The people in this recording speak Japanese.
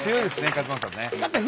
勝俣さんね。